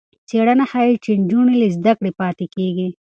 څېړنه ښيي چې نجونې له زده کړې پاتې کېږي.